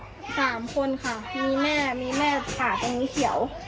สามคนค่ะมีแม่มีแม่ตากงเขียว